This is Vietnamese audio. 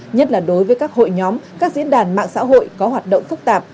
nhất là đối với các hội nhóm các diễn đàn mạng xã hội có hoạt động phức tạp